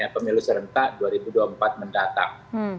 pemilu serentak dua ribu dua puluh empat mendatang